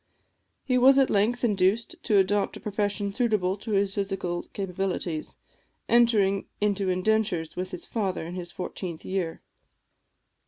He was at length induced to adopt a profession suitable to his physical capabilities, entering into indentures with his father in his fourteenth year.